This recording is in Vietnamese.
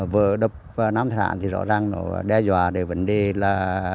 vừa đập nam thạch hãn thì rõ ràng đe dọa về vấn đề là